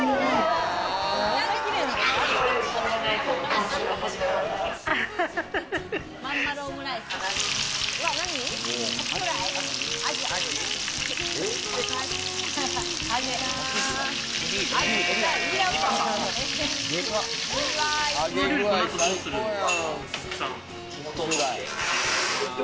この料理どうするんですか？